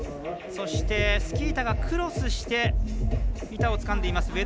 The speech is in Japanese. そして、スキー板がクロスして板をつかんでいます。